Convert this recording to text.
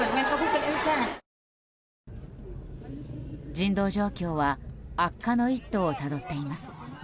人道状況は悪化の一途をたどっています。